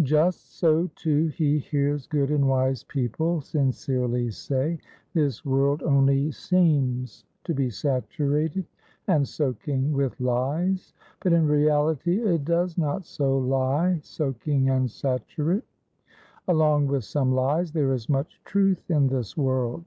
Just so, too, he hears good and wise people sincerely say: This world only seems to be saturated and soaking with lies; but in reality it does not so lie soaking and saturate; along with some lies, there is much truth in this world.